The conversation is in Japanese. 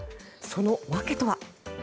その訳とは。